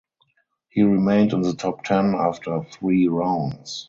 He remained in the top ten after three rounds.